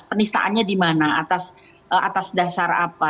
penistaannya di mana atas dasar apa